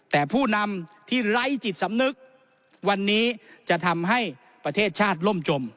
แต่ผู้นำที่ไร้จิตสำนึกวันนี้จะทำให้ประเทศชาติล่มจม